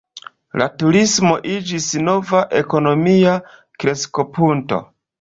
La turismo iĝis nova ekonomia kreskopunkto.